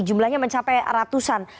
jumlahnya mencapai ratusan